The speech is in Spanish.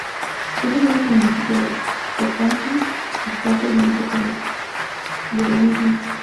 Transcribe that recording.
Es el único municipio del Tocantins que hace límite con el Piauí.